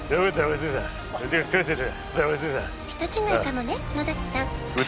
「人違いかもね野崎さん」